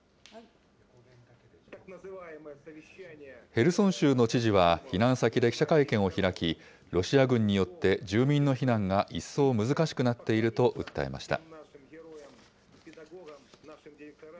ヘルソン州の知事は避難先で記者会見を開き、ロシア軍によって住民の避難が一層難しくなっていると訴えました。